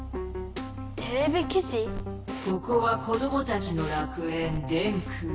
ここは子どもたちの楽園電空。